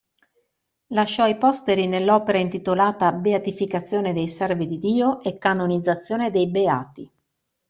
Lasciò ai posteri nell'opera intitolata Beatificazione dei Servi di Dio e canonizzazione dei Beati.